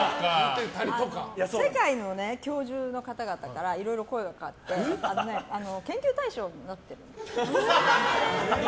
世界の教授の方々からいろいろ声がかかって研究対象になってる。